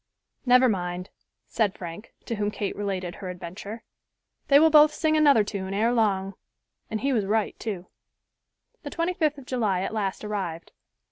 "Never mind," said Frank, to whom Kate related her adventure, "they will both sing another tune ere long," and he was right too. The 25th of July at last arrived.